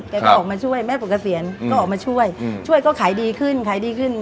แกก็ออกมาช่วยแม่ปุกเกษียณก็ออกมาช่วยช่วยก็ขายดีขึ้นขายดีขึ้น